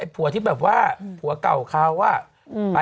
ผัวเก่าเขาว่า